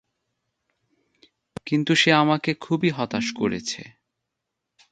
কিন্তু সে আমাকে খুবই হতাশ করেছে।